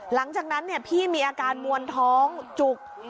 หลังจากนั้นพี่มีอาการมวลท้องจุก